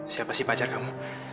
siapa sih pacar kamu